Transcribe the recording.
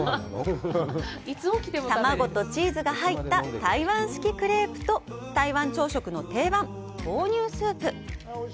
卵とチーズが入った台湾式クレープと、台湾朝食の定番、豆乳スープ。